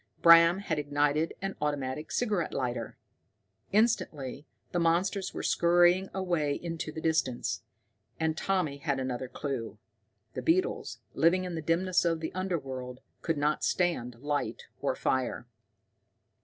Bram had ignited an automatic cigarette lighter! Instantly the monsters went scurrying away into the distance. And Tommy had another clue. The beetles, living in the dimness of the underworld, could not stand light or fire!